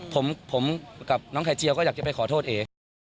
ผมกับน้องไข่เจียวก็อยากจะไปขอโทษเอ๋